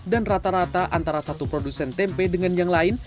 rata rata antara satu produsen tempe dengan yang lain